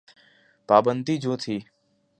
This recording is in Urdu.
پابندیاں جو تھیں۔